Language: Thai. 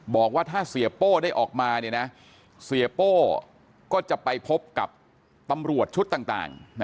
บอกว่าถ้าเสียโป้ได้ออกมาเสียโป้ก็จะไปพบกับตำรวจชุดต่าง